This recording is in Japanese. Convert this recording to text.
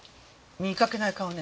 見かけない顔ね。